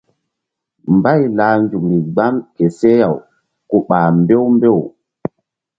Mbay lah nzukri gbam ke seh-aw ku ɓah mbew mbew.